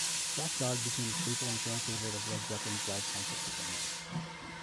"Black Dog" became a staple and fan favourite of Led Zeppelin's live concert performances.